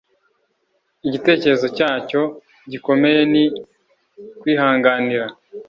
igitekerezo cyacyo gikomeye ni kwihanganira